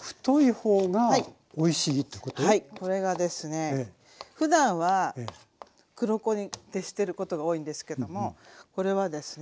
これがですねふだんは黒子に徹してることが多いんですけどもこれはですね